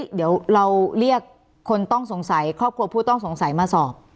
เดี๋ยวเราเรียกคนต้องสงสัยครอบครัวผู้ต้องสงสัยมาสอบ